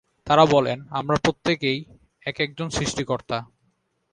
তাঁরা বলেন, আমরা প্রত্যেকেই এক একজন সৃষ্টি কর্তা।